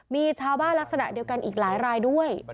มีชาวบ้านลักษณะเดียวกันอีกหลายรายด้วย